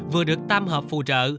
vừa được tam hợp phù trợ